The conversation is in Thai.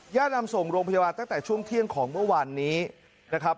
นำส่งโรงพยาบาลตั้งแต่ช่วงเที่ยงของเมื่อวานนี้นะครับ